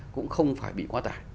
cũng không phải bị quá tải